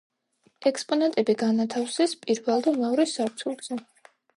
ექსპონატები განათავსეს პირველ და მეორე სართულზე.